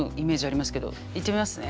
いってみますね。